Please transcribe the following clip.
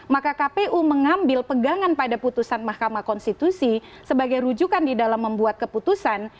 maka kpu mengambil pegangan pada putusan mahkamah konstitusi sebagai rujukan di dalam membuat keputusan